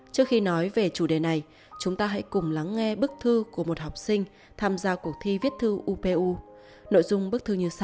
trước khi nói về chủ đề này chúng ta hãy cùng lắng nghe bức thư của một học sinh tham gia cuộc thi viết thư upu